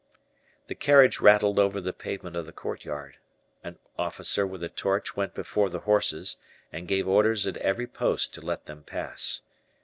The carriage rattled over the pavement of the courtyard. An officer with a torch went before the horses, and gave orders at every post to let them pass.